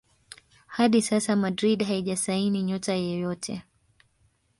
hadi sasa Madrid haijasaini nyota yeyote